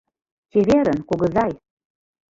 Чеверын, кугызай...